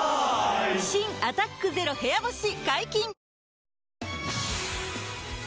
新「アタックＺＥＲＯ部屋干し」解禁‼